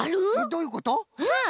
どういうこと？